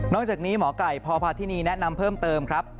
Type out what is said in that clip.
จากนี้หมอไก่พพาธินีแนะนำเพิ่มเติมครับ